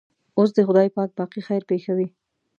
اوس دې خدای پاک باقي خیر پېښوي.